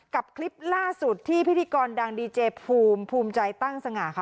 กับคลิปล่าสุดที่พิธีกรดังดีเจภูมิภูมิใจตั้งสง่าค่ะ